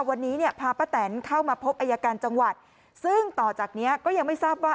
วันนี้เนี่ยพาป้าแตนเข้ามาพบอายการจังหวัดซึ่งต่อจากนี้ก็ยังไม่ทราบว่า